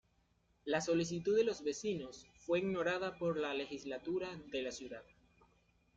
La solicitud de los vecinos fue ignorada por la Legislatura de la ciudad.